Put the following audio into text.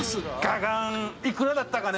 幾らだったかね？